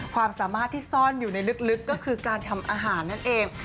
ความสามารถที่ซ่อนอยู่ในลึกก็คือการทำอาหารนั่นเอง